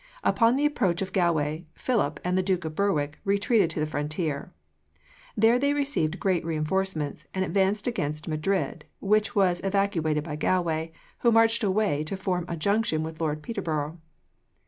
Upon the approach of Galway, Philip and the Duke of Berwick retreated to the frontier. There they received great reinforcements, and advanced against Madrid, which was evacuated by Galway, who marched away to form a junction with Lord Peterborough.